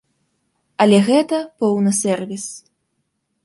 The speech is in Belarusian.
Але гэта поўны сэрвіс.